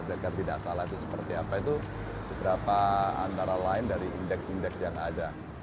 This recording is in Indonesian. mereka tidak salah itu seperti apa itu beberapa antara lain dari indeks indeks yang ada